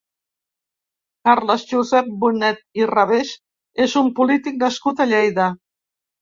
Carles Josep Bonet i Revés és un polític nascut a Lleida.